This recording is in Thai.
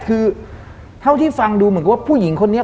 คือเท่าที่ฟังดูเหมือนกับว่าผู้หญิงคนนี้